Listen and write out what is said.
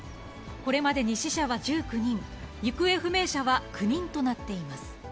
これまでに死者は１９人、行方不明者は９人となっています。